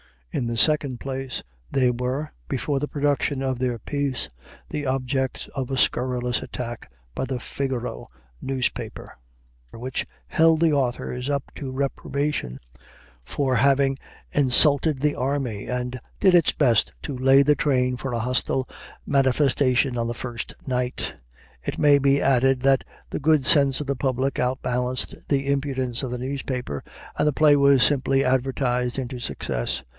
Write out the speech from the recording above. In the second place, they were, before the production of their piece, the objects of a scurrilous attack by the "Figaro" newspaper, which held the authors up to reprobation for having "insulted the army," and did its best to lay the train for a hostile manifestation on the first night. (It may be added that the good sense of the public outbalanced the impudence of the newspaper, and the play was simply advertised into success.)